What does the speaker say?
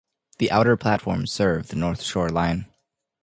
The outer platforms serve the North Shore line.